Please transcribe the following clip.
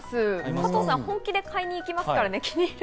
加藤さん、気に入ると本気で買いに行きますからね。